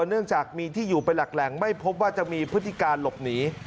เนื่องจากมีที่อยู่เป็นหลักแหล่งไม่พบว่าจะมีพฤติการหลบหนี